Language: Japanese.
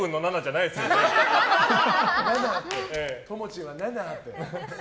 ともちんは７って。